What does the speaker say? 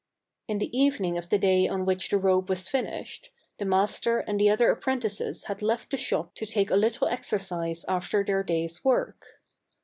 In the evening of the day on which the robe was finished, the master and the other appren tices had left the shop to take a little exercise after their day's work.